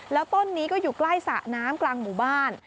และต้นนี้ก็อยู่ใกล้สระน้ำกลางบุบาล